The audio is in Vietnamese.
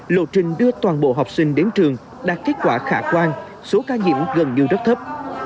lộ trình đưa toàn bộ học sinh đến trường đạt kết quả khả quan số ca nhiễm gần như rất thấp